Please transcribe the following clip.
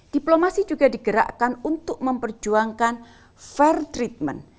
diplomasi juga digerakkan untuk memperjuangkan fair treatment